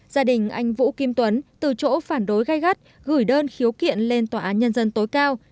gia đình anh vũ kim tuấn từ chỗ phản đối gai gắt gửi đơn khiếu kiện lên tòa án nhân dân tối cao